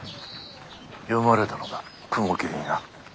読まれたのだ雲霧にな。